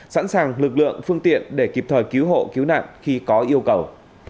sẵn sàng lực lượng phương tiện để kịp thời cứu hộ cứu nạn khi có yêu cầu